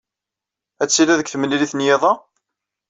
Ad tilid deg temlilit n yiḍ-a?